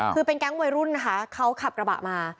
คือเป็นแก๊งวัยรุ่นนะคะเขาขับกระบะมา